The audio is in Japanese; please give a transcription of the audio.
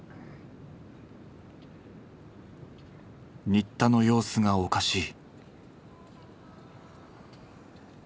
新田の様子がおかしい。